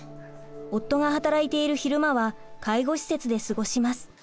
夫が働いている昼間は介護施設で過ごします。